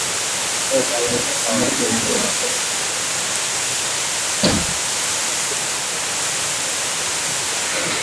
idhaa ya kiswahili ya sauti ya Amerika imekua mstari wa mbele kutangaza matukio muhimu ya dunia na yanayotokea kanda ya Afrika Mashariki